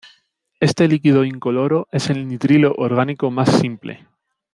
Este líquido incoloro es el nitrilo orgánico más simple.